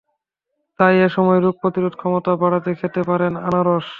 তাই এ সময়ে রোগ প্রতিরোধ ক্ষমতা বাড়াতে খেতে পারেন আনারস।